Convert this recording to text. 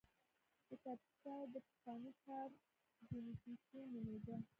د کاپیسا د پخواني ښار کوینټیسیم نومېده